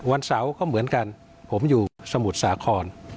วันเสาร์ก็เหมือนกันผมอยู่สมุทรสาคร